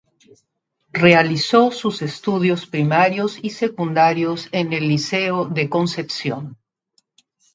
Realizó sus estudios primarios y secundarios en el Liceo de Concepción.